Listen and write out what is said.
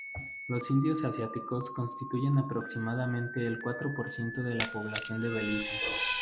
Los indios asiáticos constituyen aproximadamente el cuatro por ciento de la población de Belice.